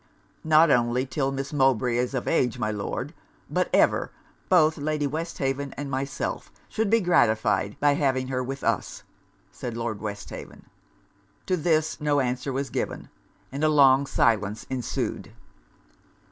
'Not only till Miss Mowbray is of age, my Lord, but ever, both Lady Westhaven and myself should be gratified by having her with us,' said Lord Westhaven. To this no answer was given; and a long silence ensued.